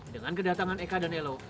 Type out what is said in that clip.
dengan kedatangan eka dan elo